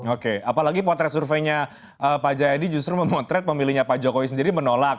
oke apalagi potret surveinya pak jayadi justru memotret pemilihnya pak jokowi sendiri menolak